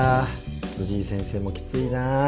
辻井先生もきついなぁ。